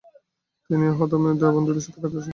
তিনি আহমদী ও দেওবন্দীদের সাথে করেছিলেন।